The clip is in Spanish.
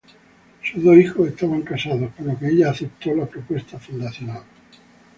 Sus dos hijos estaban casados por lo que ella aceptó la propuesta fundacional.